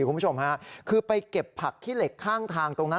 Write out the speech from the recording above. คุณผู้ชมฮะคือไปเก็บผักขี้เหล็กข้างทางตรงนั้น